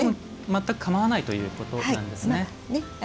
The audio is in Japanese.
全くかまわないということなんですね。